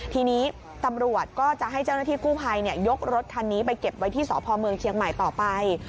ทีนี้ตำรวจก็จะให้เจ้าหน้าที่กู้ภัยยกรถคันนี้ไปเก็บไว้ที่สพเมืองเชียงใหม่ต่อไป